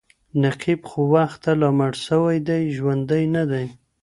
نقيب خو وخته لا مړ سوى دی ژوندى نـه دئ